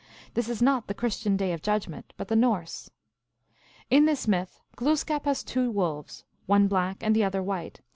This is not the Christian Day of Judgment, but the Norse. In this myth Glooskap has two wolves, one black and the other white.